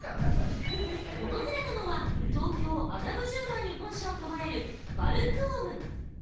訪れたのは、東京・麻布１０番に本社を構える「バルクオム」。